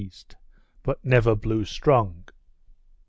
E., but never blew strong.